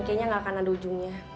kayaknya nggak akan ada ujungnya